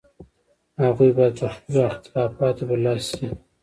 هغوی باید پر خپلو اختلافاتو برلاسي شي.